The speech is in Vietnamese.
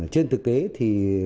trên thực tế thì